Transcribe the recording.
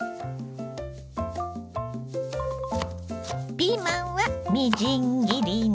ピーマンはみじん切りに。